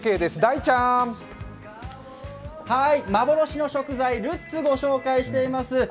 幻の食材、ルッツをご紹介しています。